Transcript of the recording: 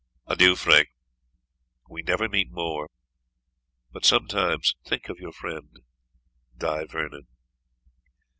Adieu, Frank; we never meet more but sometimes think of your friend Die Vernon."